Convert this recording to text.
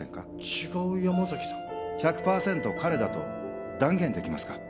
違う山崎さん１００パーセント彼だと断言できますか？